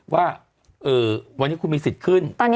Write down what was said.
ว่าวันนี้คุณมีสิทธิ์ขึ้น